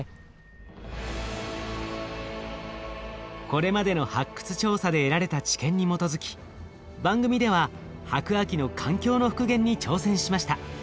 これまでの発掘調査で得られた知見に基づき番組では白亜紀の環境の復元に挑戦しました。